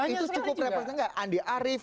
itu cukup repotnya nggak andi arief